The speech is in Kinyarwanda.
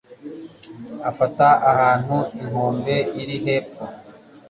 ifata ahantu inkombe iri hepfo